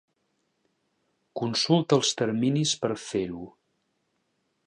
Consulta els terminis per fer-ho.